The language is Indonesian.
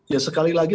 ya sekali lagi